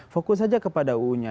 fokus saja kepada uu nya